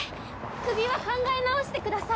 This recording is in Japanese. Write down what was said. クビは考え直してください